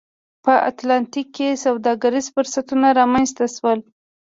په اتلانتیک کې سوداګریز فرصتونه رامنځته شول.